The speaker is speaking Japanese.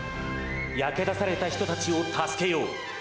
焼け出された人たちを助けよう。